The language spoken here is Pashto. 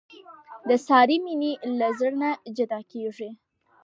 د سارې مینه له زړه نه جدا کېږي.